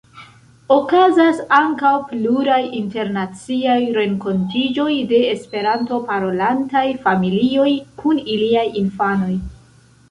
Okazas ankaŭ pluraj internaciaj renkontiĝoj de Esperanto-parolantaj familioj kun iliaj infanoj.